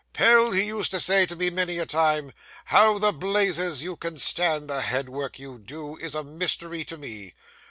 "Pell," he used to say to me many a time, "how the blazes you can stand the head work you do, is a mystery to me."